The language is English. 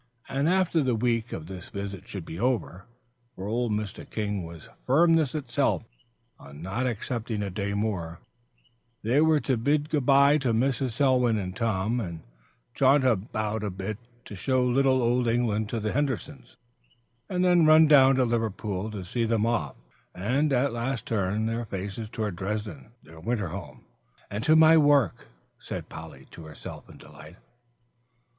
And after the week of this visit should be over, for old Mr. King was firmness itself on not accepting a day more, they were to bid good by to Mrs. Selwyn and Tom, and jaunt about a bit to show a little of Old England to the Hendersons, and then run down to Liverpool to see them off, and at last turn their faces toward Dresden, their winter home "and to my work!" said Polly to herself in delight.